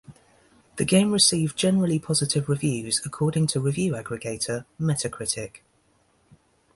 The game received generally positive reviews according to review aggregator Metacritic.